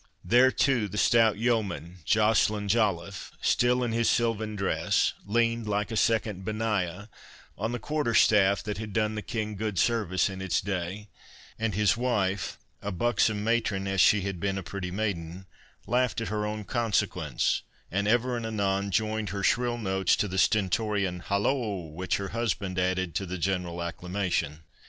There, too, the stout yeoman, Joceline Joliffe, still in his silvan dress, leaned, like a second Benaiah, on the quarter staff that had done the King good service in its day, and his wife, a buxom matron as she had been a pretty maiden, laughed at her own consequence; and ever and anon joined her shrill notes to the stentorian halloo which her husband added to the general acclamation.